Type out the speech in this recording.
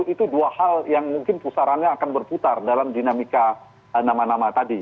itu dua hal yang mungkin pusarannya akan berputar dalam dinamika nama nama tadi